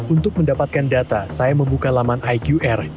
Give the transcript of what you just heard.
untuk mendapatkan data saya membuka laman iqr